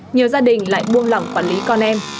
nhiều gia đình lại buông lỏng quản lý con em